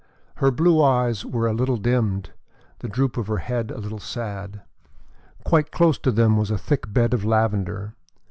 Her blue eyes were a little dimmed, the droop of her head a little sad. Quite close to them was a thick bed of lavender.